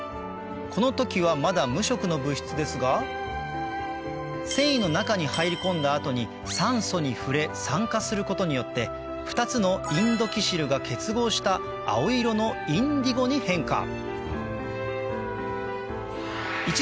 この時はまだ無色の物質ですが繊維の中に入り込んだ後に酸素に触れ酸化することによって２つのインドキシルが結合した青色のインディゴに変化